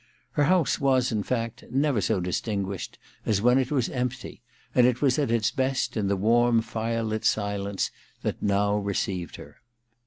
Her house was, in fact, never so dis tinguished as when it was empty ; and it was at its best in the warm fire lit ^ence that now received her.